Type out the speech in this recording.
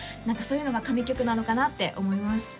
何かそういうのが神曲なのかなって思います